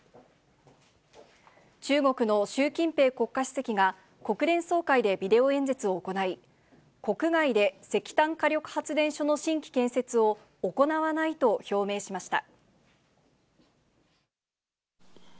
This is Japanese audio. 中国の習近平国家主席が、国連総会でビデオ演説を行い、国外で石炭火力発電所の新規建設を行わないと表明しました。